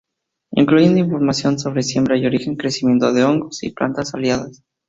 Incluyó información sobre "siembra, origen y crecimiento de hongos y sus plantas aliadas".